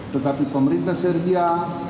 tetapi pemerintah serbia